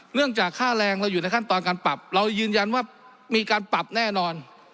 เรื่องจากค่าแรงเราอยู่ในขั้นตอนการปรับเรายืนยันว่ามีการปรับแน่นอน